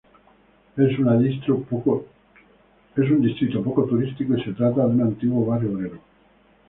Es un distrito poco turístico y se trata de un antiguo barrio obrero.